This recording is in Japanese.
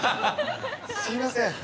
すみません。